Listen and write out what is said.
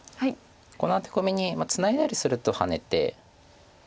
このアテコミにツナいだりするとハネて。